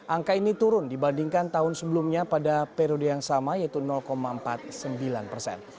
angka ini turun dibandingkan tahun sebelumnya pada periode yang sama yaitu empat puluh sembilan persen